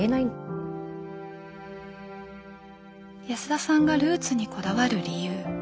安田さんがルーツにこだわる理由。